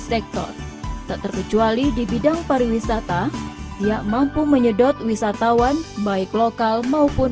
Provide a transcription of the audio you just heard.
sektor tak terkecuali di bidang pariwisata ia mampu menyedot wisatawan baik lokal maupun